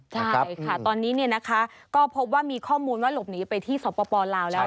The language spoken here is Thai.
ใช่ค่ะตอนนี้ก็พบว่ามีข้อมูลว่าหลบหนีไปที่สปลาวแล้ว